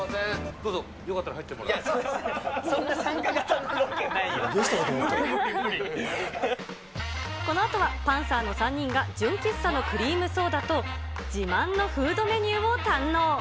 どうぞ、よかったら入ってもこのあとはパンサーの３人が、純喫茶のクリームソーダと自慢のフードメニューを堪能。